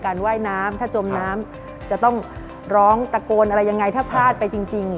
ว่ายน้ำถ้าจมน้ำจะต้องร้องตะโกนอะไรยังไงถ้าพลาดไปจริง